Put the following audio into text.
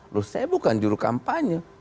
loh saya bukan juru kampanye